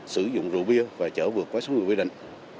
sử dụng rượu bia và chở vượt qua số người quy định